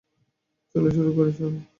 চলো শুরু করি, সোনা।